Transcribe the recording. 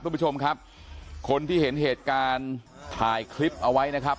คุณผู้ชมครับคนที่เห็นเหตุการณ์ถ่ายคลิปเอาไว้นะครับ